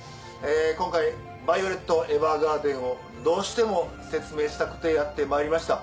今回『ヴァイオレット・エヴァーガーデン』をどうしても説明したくてやってまいりました。